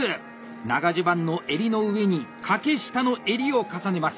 長襦袢の襟の上に掛下の襟を重ねます。